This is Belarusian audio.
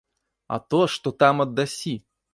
А то, што там аддасі!